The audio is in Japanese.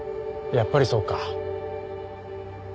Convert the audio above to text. やっぱりそうか。